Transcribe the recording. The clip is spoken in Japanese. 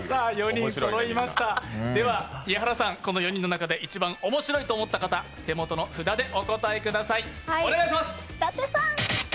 ４人そろいました、伊原さん、この４人の中で一番面白いと思った方、お手元の札でお答えください。